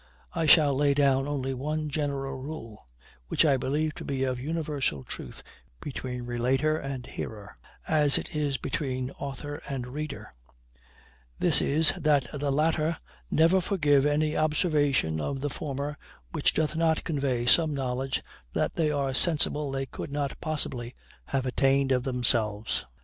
I shall lay down only one general rule; which I believe to be of universal truth between relator and hearer, as it is between author and reader; this is, that the latter never forgive any observation of the former which doth not convey some knowledge that they are sensible they could not possibly have attained of themselves.